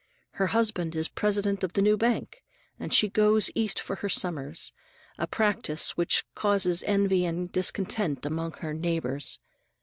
Her husband is president of the new bank, and she "goes East for her summers," a practice which causes envy and discontent among her neighbors.